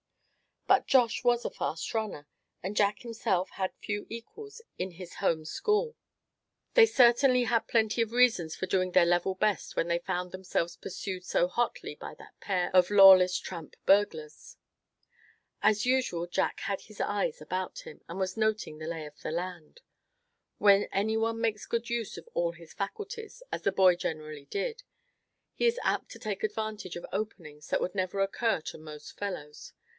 But Josh was a fast runner, and Jack himself had few equals in his home school. They certainly had plenty of reasons for doing their level best when they found themselves pursued so hotly by that pair of lawless tramp burglars. As usual Jack had his eyes about him, and was noting the lay of the land. When any one makes good use of all his faculties, as this boy generally did, he is apt to take advantage of openings that would never occur to most fellows.